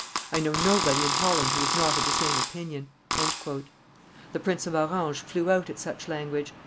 I know nobody in Holland who is not of the same opinion." The Prince of Orange flew out at such language.